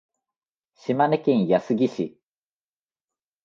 島根県安来市